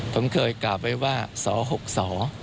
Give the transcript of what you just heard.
ผมเคยกลับไว้ว่าส๖ส